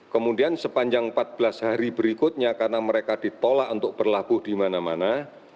kemudian sepanjang empat belas hari berikutnya karena mereka ditolak untuk berlabuh di mana mana